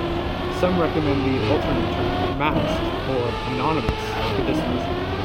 Some recommend the alternate term "masked" or "anonymous" for this reason.